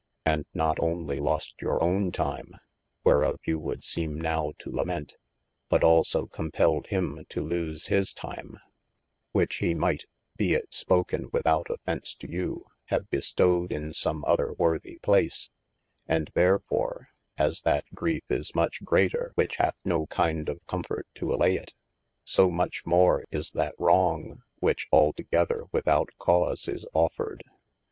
And not only lost your owne time, whereof you would seeme nowe to lament, but also compelled him to lease his time, which he might (be it spoken without offence to you) have bestowed in some other worthy place, and therefore, as that greife is much greater which hath no kind of cofort to allay it, so much more is that wrong which altogether without cause is offered.